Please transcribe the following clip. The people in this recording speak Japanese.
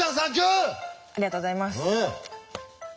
ありがとうございます。